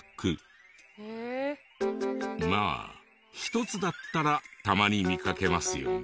まあ１つだったらたまに見かけますよね。